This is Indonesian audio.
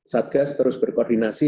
satgas terus berkoordinasi